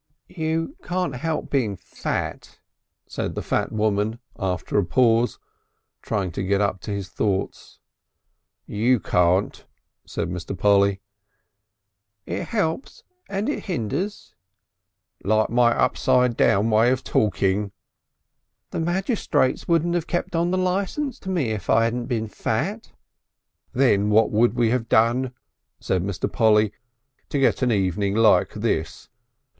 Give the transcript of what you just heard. "You can't help being fat," said the fat woman after a pause, trying to get up to his thoughts. "You can't," said Mr. Polly. "It helps and it hinders." "Like my upside down way of talking." "The magistrates wouldn't 'ave kept on the license to me if I 'adn't been fat...." "Then what have we done," said Mr. Polly, "to get an evening like this?